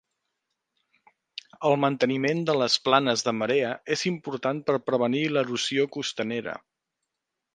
El manteniment de les planes de marea és important per prevenir l'erosió costanera.